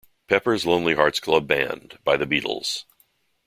Pepper's Lonely Hearts Club Band by The Beatles.